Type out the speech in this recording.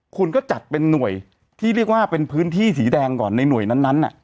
คุณก็จัดเป็นหน่วยที่เรียกว่าเป็นพื้นที่สีแดงก่อนในหน่วยนั้น